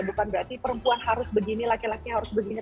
bukan berarti perempuan harus begini laki laki harus begini